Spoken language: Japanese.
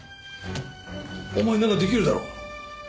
お前なら出来るだろ。